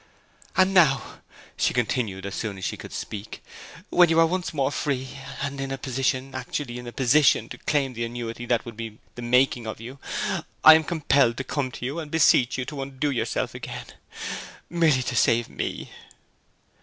'And now,' she continued, as soon as she could speak, 'when you are once more free, and in a position actually in a position to claim the annuity that would be the making of you, I am compelled to come to you, and beseech you to undo yourself again, merely to save me!'